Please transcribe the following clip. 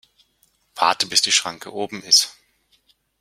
Warte bis die Schranke oben ist!